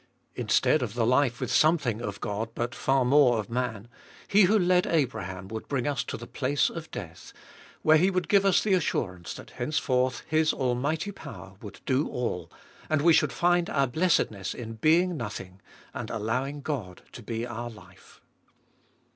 Instead of the life with something of God, but far more of man, He who led Abraham would bring us to the place of death, where He would give us the assurance that henceforth His almighty power would do all, and we should find our blessedness in being nothing and allowing God to be our life.